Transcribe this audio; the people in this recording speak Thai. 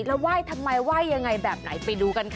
แล้วไหว้ทำไมไหว้ยังไงแบบไหนไปดูกันค่ะ